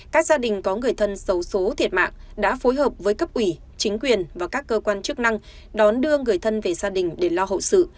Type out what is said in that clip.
các gia đình có người thân xấu xố thiệt mạng đã phối hợp với cấp ủy chính quyền và các cơ quan chức năng đón đưa người thân về gia đình để lo hậu sự